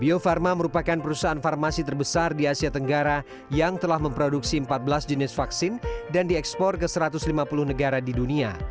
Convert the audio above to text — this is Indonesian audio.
bio farma merupakan perusahaan farmasi terbesar di asia tenggara yang telah memproduksi empat belas jenis vaksin dan diekspor ke satu ratus lima puluh negara di dunia